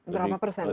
berapa persen pak